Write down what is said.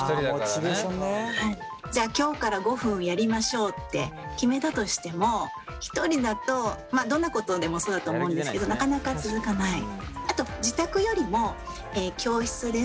じゃあ今日から５分やりましょうって決めたとしても１人だとどんなことでもそうだと思うんですけどなかなか続かない。